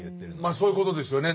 まあそういうことですよね。